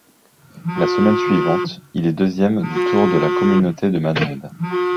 La semaine suivante, il est deuxième du Tour de la communauté de Madrid.